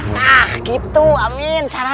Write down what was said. nah gitu amin caranya tuh